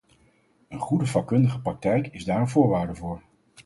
Een goede vakkundige praktijk is daar een voorwaarde voor.